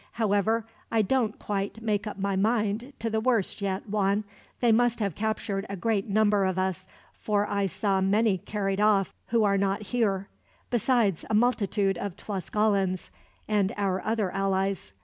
However, I don't quite make up my mind to the worst yet, Juan. They must have captured a great number of us, for I saw many carried off who are not here; besides a multitude of Tlascalans and our other allies.